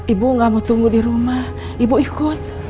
ibu gak mau tunggu dirumah ibu ikut